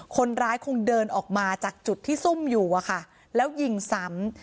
คนร้ายคงเดินออกมาจากจุดที่ซุ่มอยู่อะค่ะแล้วยิงซ้ำ